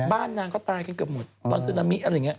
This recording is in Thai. บ้านนางก็ตายกันเกือบหมด